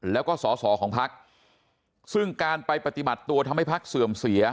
แล้วก็สอสอของพักซึ่งการไปปฏิบัติตัวทำให้พักเสื่อมเสีย